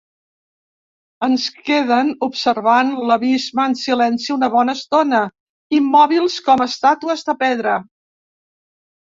Ens quedem observant l'abisme en silenci una bona estona, immòbils com estàtues de pedra.